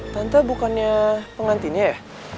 tante bukannya pengantinnya ya